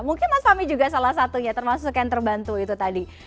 mungkin mas fahmi juga salah satunya termasuk yang terbantu itu tadi